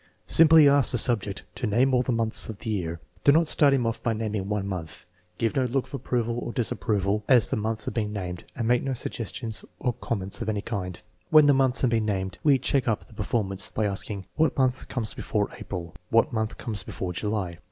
Simply ask the subject to "name all the months of the year." Do not start him off by naming one month; give no look of approval or disapproval as the 252 THE MEASUREMENT OF INTELLIGENCE months are being named, and make no suggestions or com ments of any kind. When the months have been named, we " check up " the performance by asking: " What month comes before April?" "What month comes before July?"